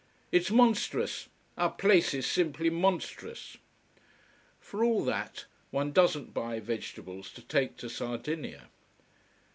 It's monstrous. Our place is simply monstrous." For all that, one doesn't buy vegetables to take to Sardinia.